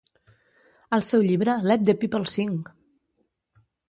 El seu llibre, Let The People Sing!